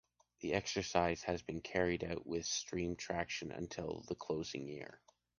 The exercise has been carried out with steam traction until the closing year.